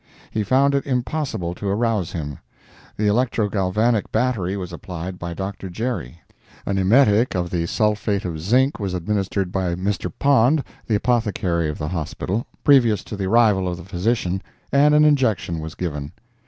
He found it impossible to arouse him. The electrogalvanic battery was applied by Dr. Gerry; an emetic of the sulphate of zinc was administered by Mr. Pond, the apothecary of the Hospital, previous to the arrival of the physician, and an injection was given.